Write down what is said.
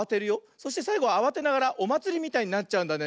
そしてさいごあわてながらおまつりみたいになっちゃうんだね。